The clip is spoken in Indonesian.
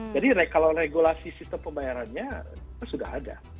jadi kalau regulasi sistem pembayarannya sudah ada